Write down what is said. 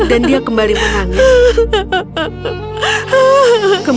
dan dia kembali menangis